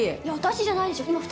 いや私じゃないじゃん。